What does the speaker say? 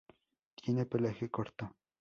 Tiene pelaje corto.